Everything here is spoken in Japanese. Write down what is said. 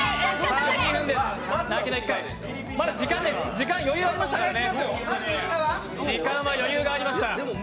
時間余裕ありましたからね。